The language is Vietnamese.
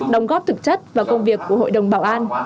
đồng góp thực chất và công việc của hội đồng bảo an